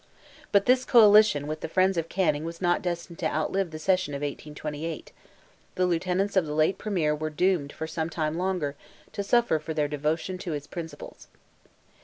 But this coalition with the friends of Canning was not destined to outlive the session of 1828; the lieutenants of the late Premier were doomed, for some time longer, to suffer for their devotion to his principles.